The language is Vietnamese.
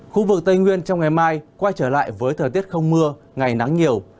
khu vực tây nguyên trong ngày mai quay trở lại với thời tiết không mưa ngày nắng nhiều